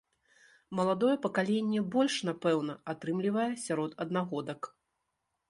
Маладое пакаленне больш, напэўна, атрымлівае сярод аднагодак.